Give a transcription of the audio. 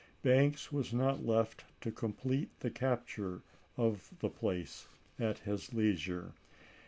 Banks was not left to complete the capture of the place at his leisure.